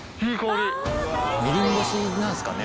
みりん干しなんですかね？